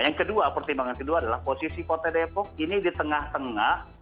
yang kedua pertimbangan kedua adalah posisi kota depok ini di tengah tengah